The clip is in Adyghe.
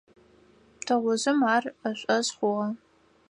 Тыгъужъым ар ышӀошъ хъугъэ.